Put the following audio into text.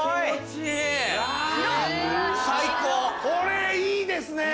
これいいですね！